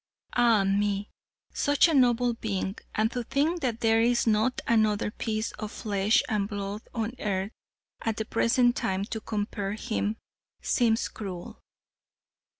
Ah, me! such a noble being, and to think that there is not another piece of flesh and blood on earth at the present time to compare with him seems cruel."